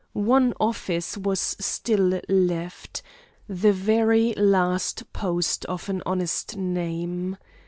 One office was still left the very last post of an honest name.